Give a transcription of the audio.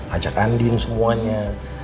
ajak anding semuanya